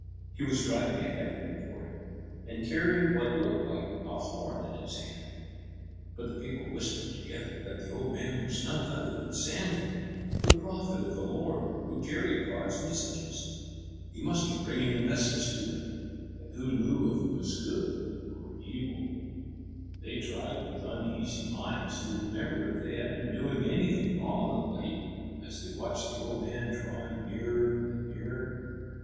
He was driving a heifer before him, and carrying what looked like a horn in his hand. [Illustration: An old feeble man was slowly climbing up towards the town.] But the people whispered together that the old man was none other than Samuel, the prophet of the Lord, who carried God's messages. He must be bringing a message to them, and who knew if it was good or evil. They tried with uneasy minds to remember if they had been doing anything wrong of late as they watched the old man drawing nearer and nearer.